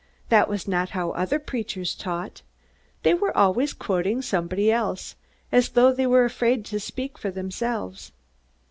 That was not how other preachers taught. They were always quoting somebody else, as though they were afraid to speak for themselves.